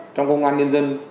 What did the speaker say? trong công an nhân dân